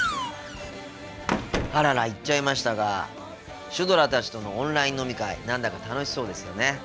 あらら行っちゃいましたがシュドラたちとのオンライン飲み会何だか楽しそうですよね。